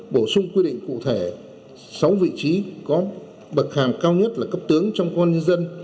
bổ sung quy định cụ thể sáu vị trí có bậc hàm cao nhất là cấp tướng trong công an nhân dân